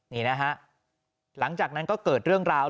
นี่นะฮะหลังจากนั้นก็เกิดเรื่องราว